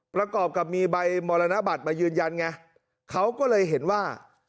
ประกอบกับมีใบมรณบัตรมายืนยันไงเขาก็เลยเห็นว่า